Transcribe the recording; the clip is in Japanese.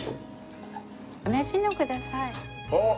同じのをください。おっ！